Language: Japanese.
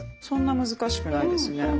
そんな難しくないですね。